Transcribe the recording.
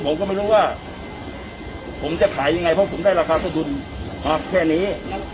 ผมก็ไม่รู้ว่าผมจะขายยังไงเพราะผมได้ราคาต้นทุนมาแค่นี้